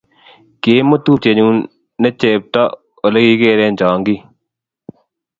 kiimut tupchenyu ne chepto ole kigeeren chong'ik